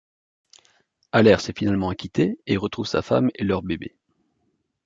Allers est finalement acquitté et retrouve sa femme et leur bébé.